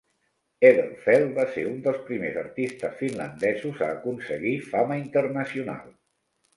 Edelfelt va ser un dels primers artistes finlandesos a aconseguir fama internacional.